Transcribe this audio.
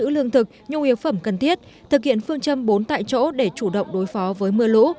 lương thực nhu yếu phẩm cần thiết thực hiện phương châm bốn tại chỗ để chủ động đối phó với mưa lũ